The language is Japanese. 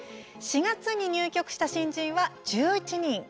４月に入局した新人は１１人。